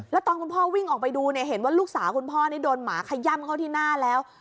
แล้วตอนคุณพ่อวิ่งออกไปดูเนี่ยเห็นว่าลูกสาวคุณพ่อนี่โดนหมาขย่ำเข้าที่หน้าแล้ว